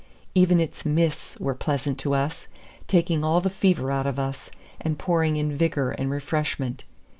Even its mists were pleasant to us, taking all the fever out of us, and pouring in vigor and refreshment.